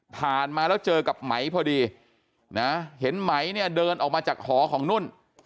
มาแล้วเจอกับไหมพอดีนะเห็นไหมเนี่ยเดินออกมาจากหอของนุ่น